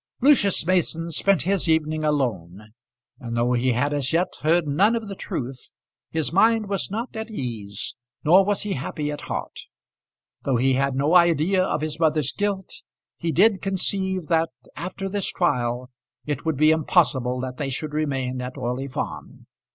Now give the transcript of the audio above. Lucius Mason spent his evening alone; and though he had as yet heard none of the truth, his mind was not at ease, nor was he happy at heart. Though he had no idea of his mother's guilt, he did conceive that after this trial it would be impossible that they should remain at Orley Farm.